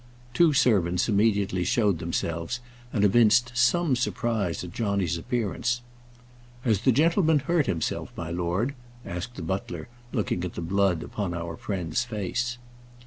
Two servants immediately showed themselves, and evinced some surprise at Johnny's appearance. "Has the gentleman hurt hisself, my lord?" asked the butler, looking at the blood upon our friend's face.